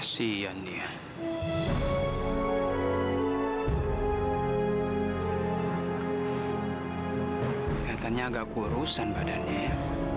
sampai jumpa di video selanjutnya